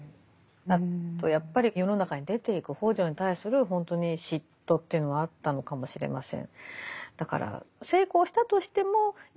あとやっぱり世の中に出ていく北條に対する本当に嫉妬というのはあったのかもしれません。